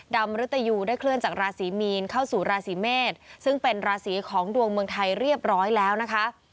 มริตยูได้เคลื่อนจากราศีมีนเข้าสู่ราศีเมษซึ่งเป็นราศีของดวงเมืองไทยเรียบร้อยแล้วนะคะ